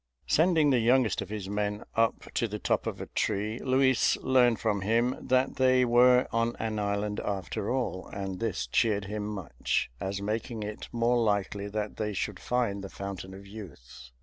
Sending the youngest of his men up to the top of a tree, Luis learned from him that they were on an island, after all, and this cheered him much, as making it more likely that they should find the Fountain of Youth.